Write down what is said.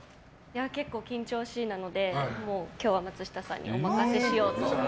結構、緊張しいなので今日は松下さんにお任せしようと。